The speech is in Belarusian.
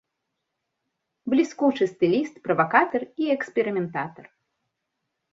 Бліскучы стыліст, правакатар і эксперыментатар.